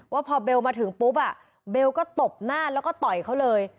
ว่าพอเบลมาถึงปุ๊บเบลก็ตบหน้าแล้วก็ต่อยเขาเลย